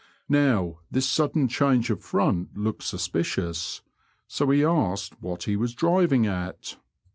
Now, this sudden change of front looked suspicious ;. so we asked what he was driving at.